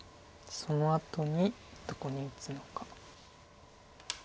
そのあとにどこに打つのか。